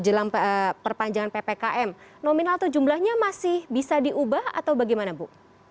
jelang perpanjangan ppkm nominal atau jumlahnya masih bisa diubah atau bagaimana bu